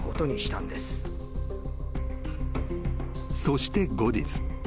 ［そして後日］